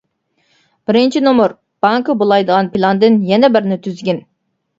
بىرىنچى نومۇر، بانكا بۇلايدىغان پىلاندىن يەنە بىرنى تۈزگىن.